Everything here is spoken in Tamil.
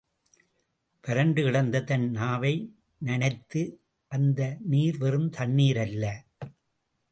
வரண்டுகிடந்த தன் நாவை நனைத்த அந்த நீர் வெறும் தண்ணிர் அல்ல.